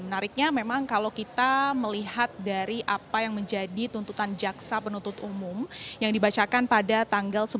menariknya memang kalau kita melihat dari apa yang menjadi tuntutan jaksa penuntut umum yang dibacakan pada tanggal sepuluh